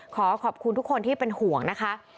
ขอขอบคุณทุกคนที่เป็นห่วงนะคะ